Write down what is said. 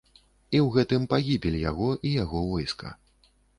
І ў гэтым пагібель яго і яго войска.